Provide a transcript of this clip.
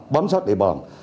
bấm sát địa bàn